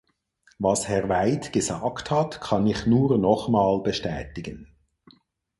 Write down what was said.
Was Herr White gesagt hat, kann ich nur nochmal bestätigen.